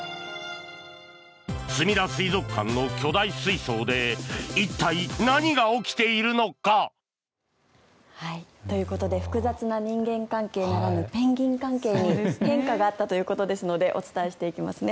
すみだ水族館の巨大水槽で一体、何が起きているのか？ということで複雑な人間関係ならぬペンギン関係に変化があったということですのでお伝えしていきますね。